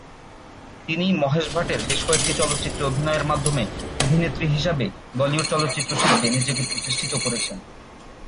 তিনি মহেশ ভাটের বেশকয়েকটি চলচ্চিত্রে অভিনয়ের মাধ্যমে অভিনেত্রী হিসাবে বলিউড চলচ্চিত্র শিল্পে নিজেকে প্রতিষ্ঠিত করেছেন।